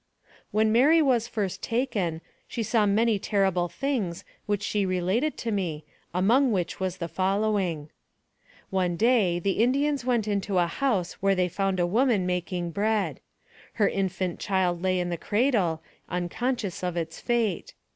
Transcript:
When Mary was first taken, she saw many terrible things, which she related to me, among which was the following : One day, the Indians went into a house where they found a woman making bread. Her infant child lay in the cradle, unconscious of its fate.